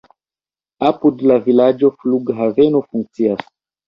Apud la vilaĝo flughaveno funkcias.